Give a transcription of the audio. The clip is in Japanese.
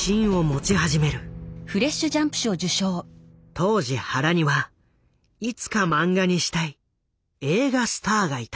当時原にはいつか漫画にしたい映画スターがいた。